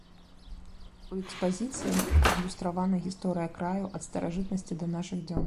У экспазіцыі адлюстравана гісторыя краю ад старажытнасці да нашых дзён.